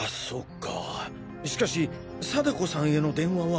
かしかし貞子さんへの電話は。